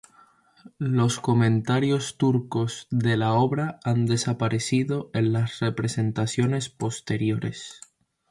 Los comentarios turcos de la obra han desaparecido en las representaciones posteriores.